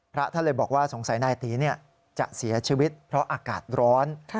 พระท่านเลยบอกว่าสงสัยนายตีจะเสียชีวิตเพราะอากาศร้อน